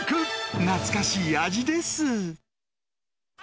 懐かしい味です。